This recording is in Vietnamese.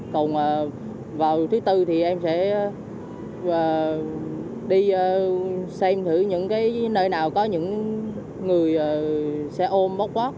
còn vào thứ tư thì em sẽ đi xem thử những nơi nào có những người xe ôm bốc vót